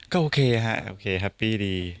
ก็โอเคฮะโอเคแฮปปี้ดี